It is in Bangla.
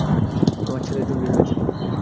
আমার ছেলের জন্ডিস হয়েছিল।